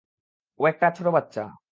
ও একটা ছোট বাচ্ছা।